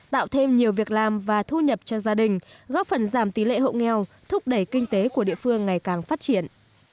tạo thêm nhiều việc làm và thu nhập cho gia đình góp phần giảm tỷ lệ hộ nghèo thúc đẩy kinh tế của địa phương ngày càng phát triển